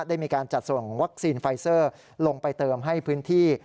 ได้มีการจัดส่งวัคซีนไฟเซอร์ลงไปเติมให้พื้นที่